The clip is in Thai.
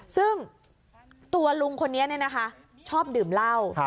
ซึ่งตัวลุงคนนี้เนี่ยนะคะชอบดื่มเหล้า